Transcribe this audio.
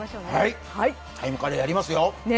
ＴＩＭＥカレーやりますよ。